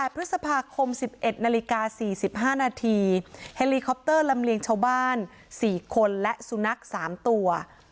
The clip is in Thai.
พฤษภาคม๑๑นาฬิกา๔๕นาทีเฮลีคอปเตอร์ลำเลียงชาวบ้าน๔คนและสุนัข๓ตัว